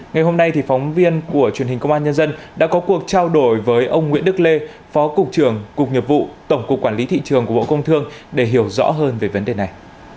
ngày hôm nay phóng viên của truyền hình công an nhân dân đã có cuộc trao đổi với ông nguyễn đức lê phó cục trưởng cục nghiệp vụ tổng cục quản lý thị trường của bộ công thương để hiểu rõ hơn về vấn đề này